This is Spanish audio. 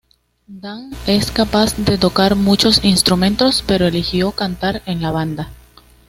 Dan es capaz de tocar muchos instrumentos, pero eligió cantar en la banda.